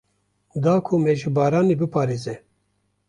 Da ku me ji baranê biparêze.